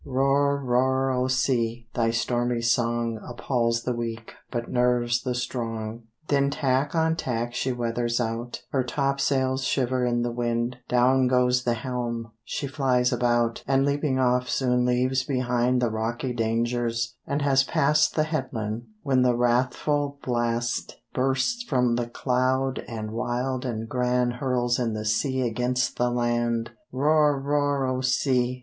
Roar, roar, O Sea! Thy stormy song Appalls the weak, but nerves the strong. Then tack on tack she weathers out Her topsails shiver in the wind; Down goes the helm, she flies about, And leaping off soon leaves behind The rocky dangers, and has past The headland, when the wrathful blast, Bursts from the cloud and wild and grand Hurls in the sea against the land. _Roar, roar, O Sea!